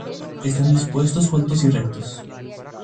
Están dispuestos sueltos y rectos.